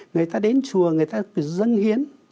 người ta đến chùa người ta dâng hiến